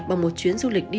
bằng một chuyến du lịch đi